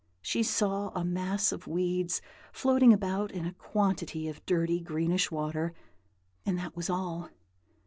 she saw a mass of weeds floating about in a quantity of dirty, greenish water, and that was all.